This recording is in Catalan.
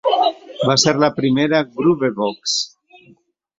Va ser la primera groovebox.